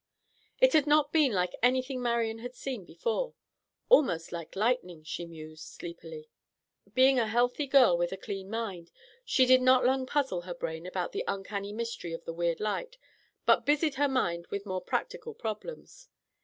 It had not been like anything Marian had seen before. "Almost like lightning," she mused, sleepily. Being a healthy girl with a clean mind, she did not long puzzle her brain about the uncanny mystery of the weird light, but busied her mind with more practical problems.